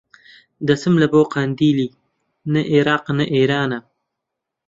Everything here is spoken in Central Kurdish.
دەچم لە بۆ قەندیلی نە ئێراق نە ئێرانە